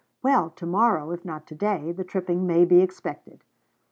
Well, to morrow, if not to day, the tripping may be expected!